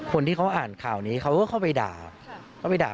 คนที่อ่านข่าวนี้เขาก็ไปด่า